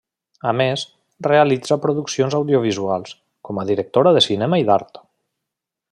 A més, realitza produccions audiovisuals, com a directora de cinema i d'art.